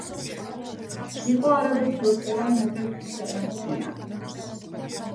იყო არაბეთს როსტევან მეფე ღვთისაგან სვიანი.